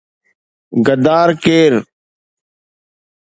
”غدار ڪير؟